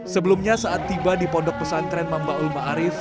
sebelumnya saat tiba di pendok pesantren mambaulma arif